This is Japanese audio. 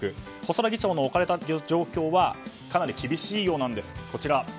細田議長の置かれた状況はかなり厳しいようなんです。